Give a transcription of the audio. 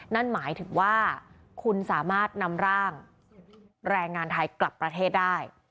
นั่นหมายถึงว่าคุณสามารถนำร่างแรงงานไทยกลับประเทศได้